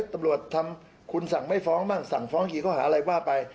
ตำรวจทำคุณสั่งไม่ฟ้องบ้างสั่งฟ้องกี่ข้อหาอะไรว่าไป